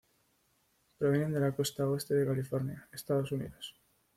Provienen de la Costa Oeste de California, Estados Unidos.